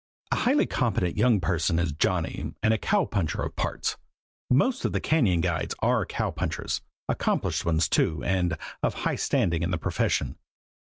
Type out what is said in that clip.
A highly competent young person is Johnny and a cow puncher of parts. Most of the Cañon guides are cow punchers accomplished ones, too, and of high standing in the profession.